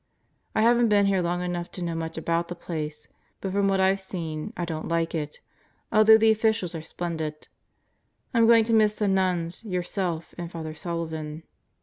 I haven't been here long enough to know much about the place, but from what I've seen I don't like it, although the officials are splendid, I am going to miss the nuns, yourself, and Father Sullivan.